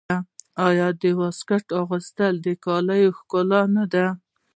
آیا د واسکټ اغوستل د کالیو ښکلا نه ده؟